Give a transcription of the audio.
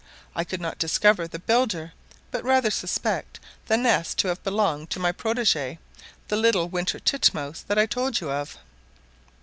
I could not discover the builder; but rather suspect the nest to have belonged to my protege, the little winter titmouse that I told you of.